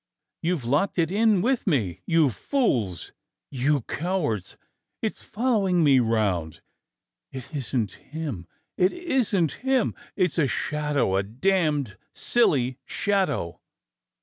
You've locked it in with me, you fools ! You cowards, it's following me round! It isn't him! It isn't him! It's a shadow — a damned silly shadow.